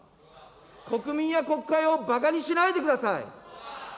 国民や国会をばかにしないでください。